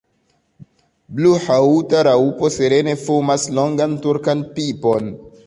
Bluhaŭta raŭpo serene fumas longan turkan pipon.